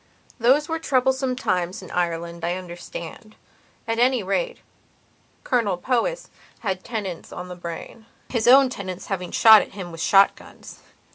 Those were troublesome times in Ireland, I understand. At any rate, Colonel Powys had tenants on the brainhis own tenants having shot at him with shot guns.